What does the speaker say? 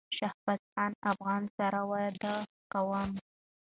شهبازخان افغان سره واده کوم